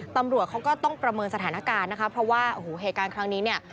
ตำรวจเขาก็ต้องประเมินสถานการณ์นะครับเพราะว่าเหตุการณ์ครั้งนี้